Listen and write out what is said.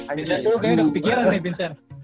vincent tuh kayak udah kepikiran nih vincent